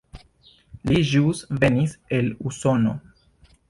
Li ĵus venis el Usono.